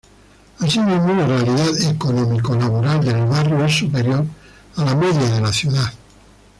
Asimismo, la realidad económico-laboral del barrio es superior a la media de la ciudad.